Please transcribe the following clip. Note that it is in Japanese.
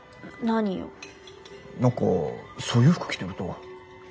何かそういう服着てると。